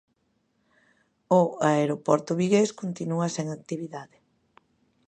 O aeroporto vigués continúa sen actividade.